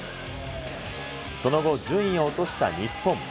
その後、順位を落とした日本。